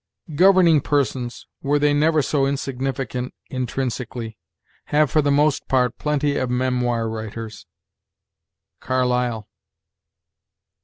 "'Governing persons, were they never so insignificant intrinsically, have for most part plenty of Memoir writers.' Carlyle.